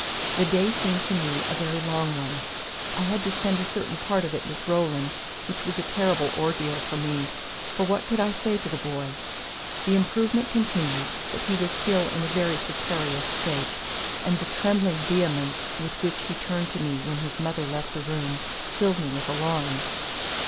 The day seemed to me a very long one. I had to spend a certain part of it with Roland, which was a terrible ordeal for me, for what could I say to the boy? The improvement continued, but he was still in a very precarious state, and the trembling vehemence with which he turned to me when his mother left the room filled me with alarm.